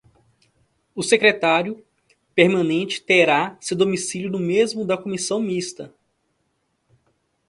O Secretário permanente terá seu domicílio no mesmo da Comissão mista.